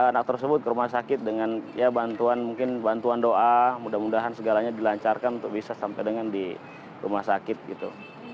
anak tersebut ke rumah sakit dengan ya bantuan mungkin bantuan doa mudah mudahan segalanya dilancarkan untuk bisa sampai dengan di rumah sakit gitu